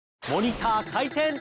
モニター回転！